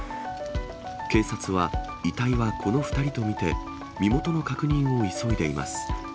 警察は遺体はこの２人と見て、身元の確認を急いでいます。